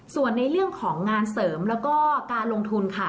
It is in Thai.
ส่วนในเรื่องของงานเสริมแล้วก็การลงทุนค่ะ